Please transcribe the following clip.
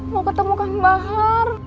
mau ketemu kang bahar